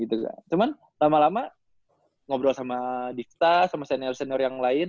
cuman lama lama ngobrol sama difta sama senior senior yang lain